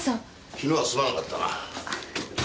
昨日はすまなかったな。